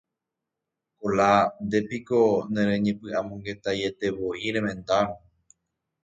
Kola, ha ndépiko nereñepy'amongetaietevoi remendárõ.